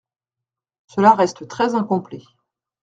Cela reste très incomplet.